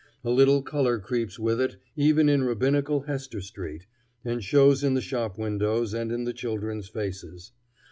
A little color creeps with it even into rabbinical Hester street, and shows in the shop windows and in the children's faces.